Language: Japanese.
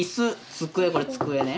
机これ机ね。